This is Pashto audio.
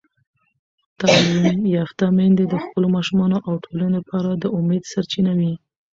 تعلیم یافته میندې د خپلو ماشومانو او ټولنې لپاره د امید سرچینه وي.